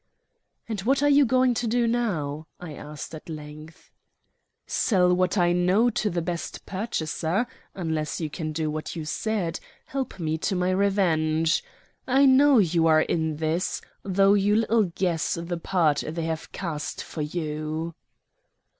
"And what are you going to do now?" I asked at length. "Sell what I know to the best purchaser unless you can do what you said, help me to my revenge. I know you are in this; though you little guess the part they have cast for you."